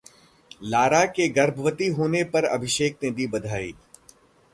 Lara के गर्भवती होने पर अभिषेक ने दी बधाई